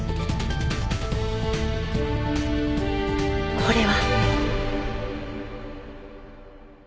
これは！